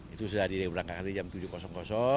itu sudah diberangkatkan di jam tujuh